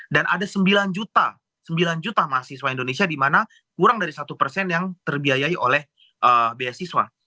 dan ada sembilan juta sembilan juta mahasiswa indonesia di mana kurang dari satu yang terbiayai oleh beasiswa